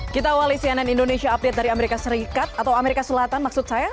kita awali cnn indonesia update dari amerika serikat atau amerika selatan maksud saya